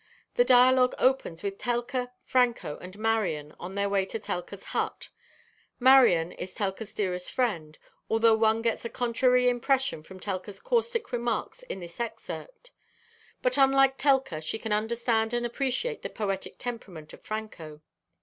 The dialogue opens with Telka, Franco and Marion on their way to Telka's hut. Marion is Telka's dearest friend, although one gets a contrary impression from Telka's caustic remarks in this excerpt; but unlike Telka, she can understand and appreciate the poetic temperament of Franco.